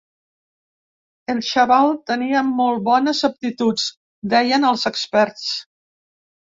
El xaval tenia molt bones aptituds, deien els experts.